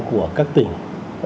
của các tỉnh